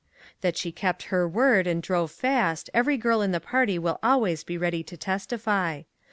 That she kept her word and drove fast, every girl in the party will always be ready to testify.